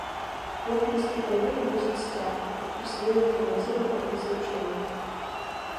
Флагманскі карабель носіць сцяг, прысвоены камандзіру гэтага злучэння.